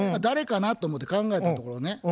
誰かなと思って考えたところね